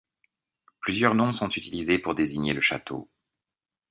Plusieurs noms sont utilisés pour désigner le château.